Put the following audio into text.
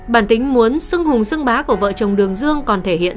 bản tính muốn xưng hùng xưng bá của vợ chồng đường dương còn thể hiện